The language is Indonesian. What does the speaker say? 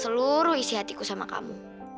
seluruh isi hatiku sama kamu